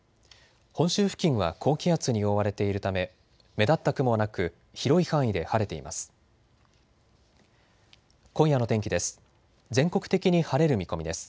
本州付近は高気圧に覆われているため目立った雲はなく広い範囲で晴れています。